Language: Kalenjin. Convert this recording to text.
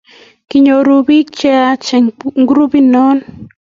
Kinyoru biik che yaach eng' grupinoi